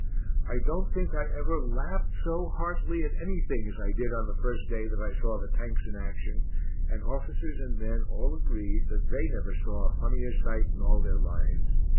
I don't think I ever laughed so heartily at anything as I did on the first day that I saw the Tanks in action, and officers and men all agree that they never saw a funnier sight in all their lives.